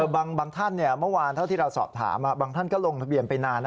บางท่านเมื่อวานเท่าที่เราสอบถามบางท่านก็ลงทะเบียนไปนาน